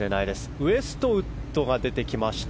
ウェストウッドが出てきました。